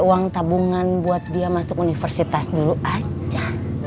uang tabungan buat dia masuk universitas dulu aja